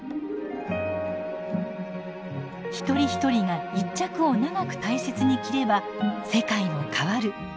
一人一人が１着を長く大切に着れば世界も変わる。